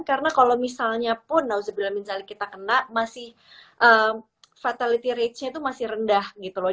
karena kalau misalnya pun nggak usah bilang misalnya kita kena masih fatality rate nya itu masih rendah gitu loh